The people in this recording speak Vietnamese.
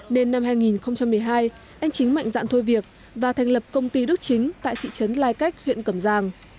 nên năm hai nghìn một mươi hai anh chính mạnh dạn thôi việc và thành lập công ty đức chính tại thị trấn lai cách huyện cầm giang